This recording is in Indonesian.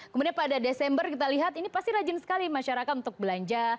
kemudian pada desember kita lihat ini pasti rajin sekali masyarakat untuk belanja